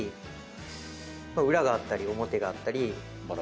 裏があったり表があったり。